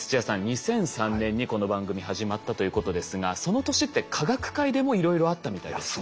２００３年にこの番組始まったということですがその年って科学界でもいろいろあったみたいですね。